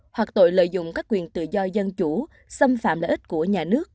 hoặc tội lợi dụng các quyền tự do dân chủ xâm phạm lợi ích của nhà nước